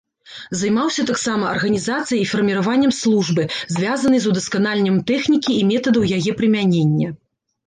Займаўся таксама арганізацыяй і фарміраваннем службы, звязанай з удасканаленнем тэхнікі і метадаў яе прымянення.